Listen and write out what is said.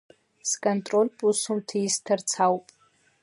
Сконтрольтә усумҭа исҭарц ауп.